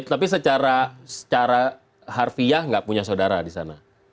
tapi secara harfiah nggak punya saudara di sana